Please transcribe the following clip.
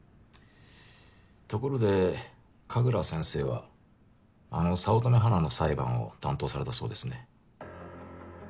ところで神楽先生はあの早乙女花の裁判を担当されたそうですね。